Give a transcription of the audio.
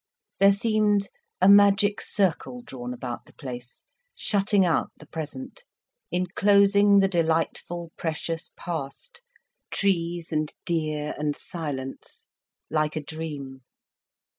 There seemed a magic circle drawn about the place, shutting out the present, enclosing the delightful, precious past, trees and deer and silence, like a dream.